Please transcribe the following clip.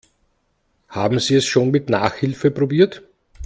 Haben Sie es schon mit Nachhilfe probiert?